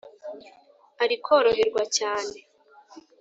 ari koroherwa cyane